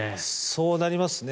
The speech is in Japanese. そうなりますね。